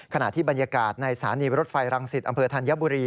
ขณะที่บรรยากาศในสถานีรถไฟรังสิตอำเภอธัญบุรี